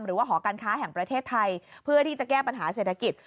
หอการค้าแห่งประเทศไทยเพื่อที่จะแก้ปัญหาเศรษฐกิจ